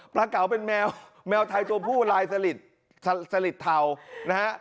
เก๋าเป็นแมวแมวไทยตัวผู้ลายสลิดสลิดเทานะฮะ